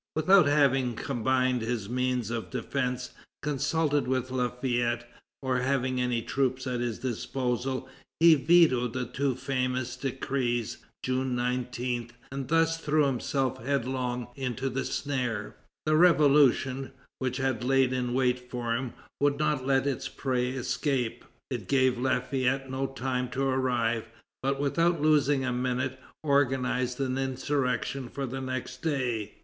Without having combined his means of defence, consulted with Lafayette, or having any troops at his disposal, he vetoed the two famous decrees, June 19, and thus threw himself headlong into the snare. The Revolution, which had lain in wait for him, would not let its prey escape. It gave Lafayette no time to arrive, but, without losing a minute, organized an insurrection for the next day.